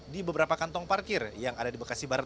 di beberapa kantong parkir yang ada di bekasi barat